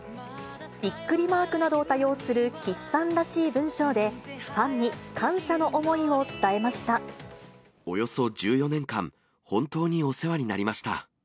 ビックリマークなどを多用する岸さんらしい文章で、およそ１４年間、本当にお世話になりました！